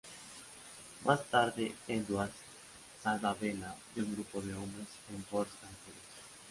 Más tarde, Edward salva a Bella de un grupo de hombres en Port Angeles.